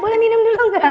boleh minum dulu gak